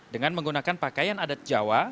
dengan menggunakan pakaian adat jawa